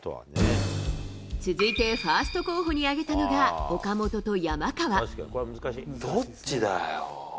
続いてファースト候補に挙げたのが、どっちだよ。